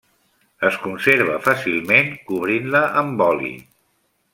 Es conserva fàcilment cobrint-la amb oli.